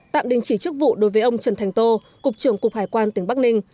tạm đình chỉ chức vụ đối với ông trần thành tô cục trưởng cục hải quan tỉnh bắc ninh